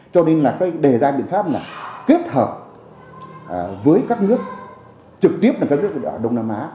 cho nên là cái đề ra biện pháp là kết hợp với các nước trực tiếp là các nước ở đông nam á